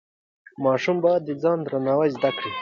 ماشوم باید د ځان درناوی زده کړي.